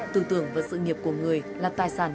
tư tưởng và sự nghiệp của người là tài sản